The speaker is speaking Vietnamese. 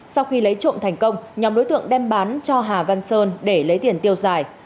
sau khi lấy trộm thành công nhóm đối tượng đem bán cho hà văn sơn để lấy tiền tiêu xài